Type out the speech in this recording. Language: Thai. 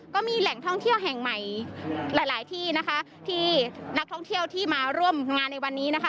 ก็มีแหล่งท่องเที่ยวแห่งใหม่หลายหลายที่นะคะที่นักท่องเที่ยวที่มาร่วมงานในวันนี้นะคะ